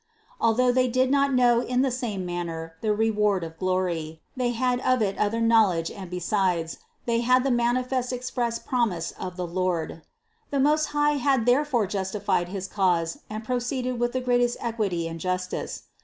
Although they did not know in the same man ner the reward of glory, they had of it other knowledge and besides they had the manifest and express promise of the Lord The Most High had therefore justified his cause and proceeded with the greatest equity and justice.